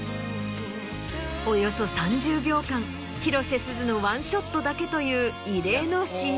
およそ３０秒間広瀬すずのワンショットだけという異例のＣＭ。